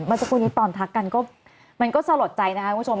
เมื่อสักครู่นี้ตอนทักกันก็มันก็สลดใจนะคะคุณผู้ชม